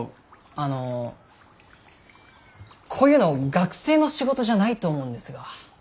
あのこういうの学生の仕事じゃないと思うんですが。